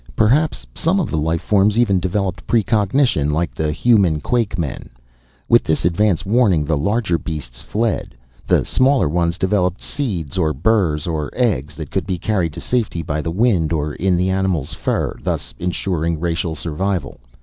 Perhaps some of the life forms even developed precognition like the human quakemen. With this advance warning the larger beasts fled. The smaller ones developed seeds, or burrs or eggs, that could be carried to safety by the wind or in the animals' fur, thus insuring racial survival.